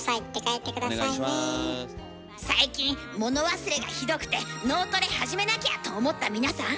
最近物忘れがひどくて「脳トレ始めなきゃ！」と思った皆さん。